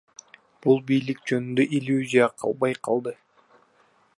Бул бийлик жөнүндө иллюзия калбай калды.